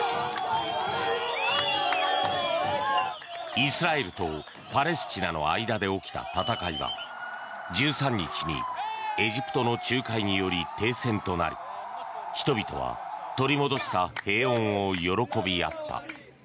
イスラエルとパレスチナの間で起きた戦いは１３日にエジプトの仲介により停戦となり人々は取り戻した平穏を喜び合った。